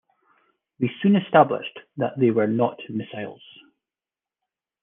We soon established that they were not missiles.